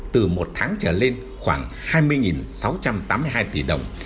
từ một tháng trở lên khoảng hai mươi sáu trăm tám mươi hai tỷ đồng